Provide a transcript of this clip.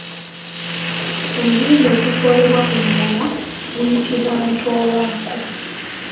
Omuwendo ogutoolebwa ku mulala guyitibwa Ntoolwako.